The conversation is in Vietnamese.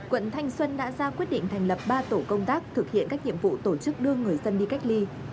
quận thanh xuân đã ra quyết định thành lập ba tổ công tác thực hiện các nhiệm vụ tổ chức đưa người dân đi cách ly